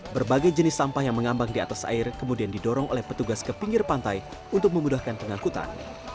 berbagai jenis sampah yang mengambang di atas air kemudian didorong oleh petugas ke pinggir pantai untuk memudahkan pengangkutan